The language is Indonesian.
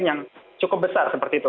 yang cukup besar seperti itu